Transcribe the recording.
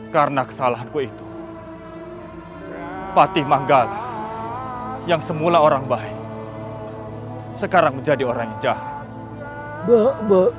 karena kesalahanku itu patih manggala yang semula orang baik sekarang menjadi orang yang jahat